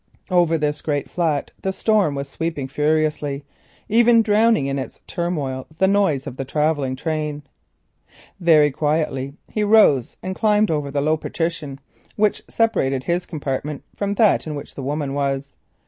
Over this great flat the storm was sweeping furiously—even drowning in its turmoil the noise of the travelling train. Very quietly he rose and climbed over the low partition which separated his compartment from that in which the woman was.